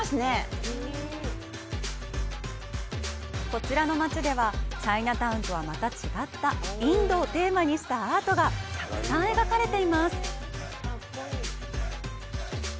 こちらの街では、チャイナタウンとはまた違った、インドをテーマにしたアートがたくさん描かれています。